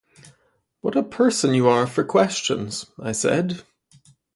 'What a person you are for questions,' I said.